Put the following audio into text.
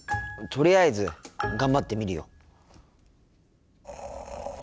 とりあえず頑張ってみるよ。